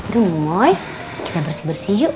gemui kita bersih bersih yuk